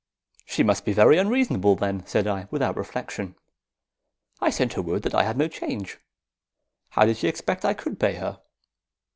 "She must be very unreasonable, then," said I, without reflection. "I sent her word that I had no change. How did she expect I could pay her?"